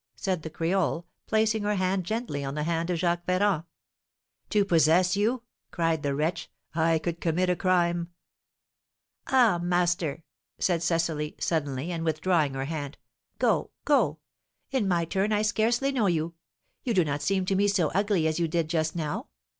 said the creole, placing her hand gently on the hand of Jacques Ferrand. "To possess you," cried the wretch, "I could commit a crime " "Ah, master," said Cecily, suddenly, and withdrawing her hand, "go go, in my turn I scarcely know you, you do not seem to me so ugly as you did just now.